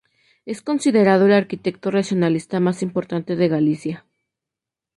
Es considerado el arquitecto racionalista más importante de Galicia.